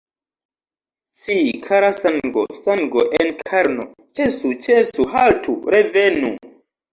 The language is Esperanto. Ci, kara sango, sango en karno, ĉesu, ĉesu, haltu, revenu!